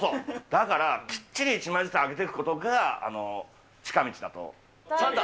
だから、きっちり１枚ずつ上げてくことが近道だと。